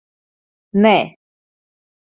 Nē.